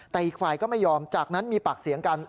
แต่อีกฝ่ายก็ไม่ยอมจากนั้นมีปากเสียงกัน